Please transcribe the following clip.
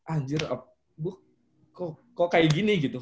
anjir bu kok kayak gini gitu